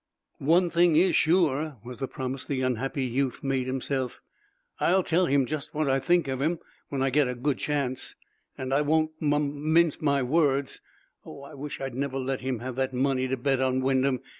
"One thing is sure," was the promise the unhappy youth made himself, "I'll tell him just what I think of him when I get a good chance, and I won't mum mince my words. Oh, I wish I'd never let him have that money to bet on Wyndham!